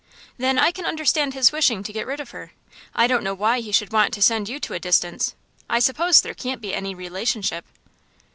"Then I can understand his wishing to get rid of her. I don't know why he should want to send you to a distance. I suppose there can't be any relationship?"